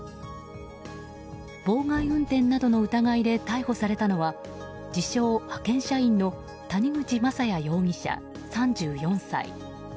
妨害運転などの疑いで逮捕されたのは自称派遣社員の谷口将也容疑者、３４歳。